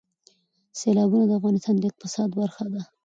سیلابونه د افغانستان د اقتصاد برخه ده.